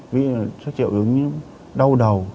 ví dụ như đau đầu